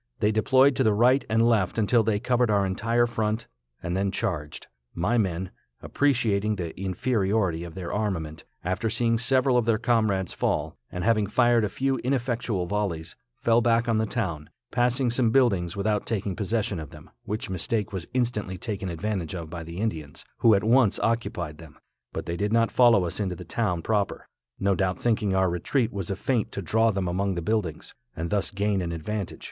They deployed to the right and left until they covered our entire front, and then charged. My men, appreciating the inferiority of their armament, after seeing several of their comrades fall, and having fired a few ineffectual volleys, fell back on the town, passing some buildings without taking possession of them, which mistake was instantly taken advantage of by the Indians, who at once occupied them, but they did not follow us into the town proper, no doubt thinking our retreat was a feint to draw them among the buildings, and thus gain an advantage.